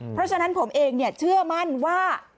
เพราะฉะนั้นผมเองเชื่อมั่นว่า